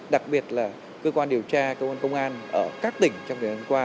đặc biệt là cơ quan điều tra cơ quan công an ở các tỉnh trong thời gian qua